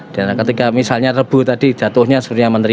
dan ketika misalnya rebuh tadi jatuhnya sebenarnya menteri